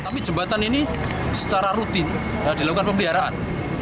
tapi jembatan ini secara rutin dilakukan pemeliharaan